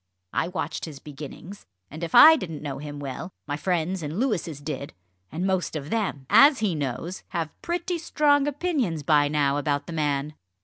I watched his beginnings, and if I didn't know him well, my friends and Louis's did. And most of them as he knows! have pretty strong opinions by now about the man."